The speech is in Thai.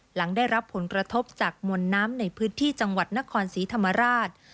หลังได้รับผลกระทบจากมวลน้ำในพื้นที่จังหวัดนครศรีธรรมราช